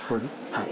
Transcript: はい。